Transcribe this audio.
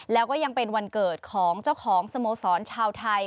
แล้วก็ยังเป็นวันเกิดของเจ้าของสโมสรชาวไทย